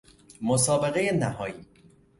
مسابقه نهائی